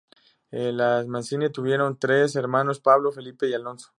Las Mancini tuvieron tres hermanos: Pablo, Felipe y Alfonso.